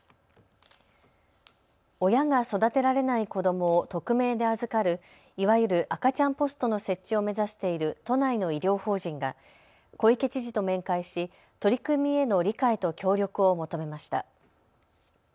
親が育てられない子どもを匿名で預かる、いわゆる赤ちゃんポストの設置を目指している都内の医療法人が小池知事と面会し取り組みへの理解と協力を求めました。